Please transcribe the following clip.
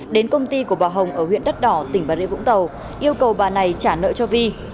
đến công ty của bà hồng ở huyện đất đỏ tỉnh bà rê vũng tàu yêu cầu bà này trả nợ cho vi